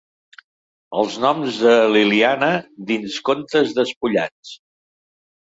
«Els noms de Liliana» dins Contes despullats.